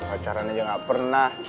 acaranya aja gak pernah